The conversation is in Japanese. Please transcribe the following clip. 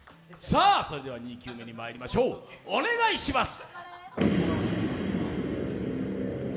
それでは２球目にまいりましょう、お願いします。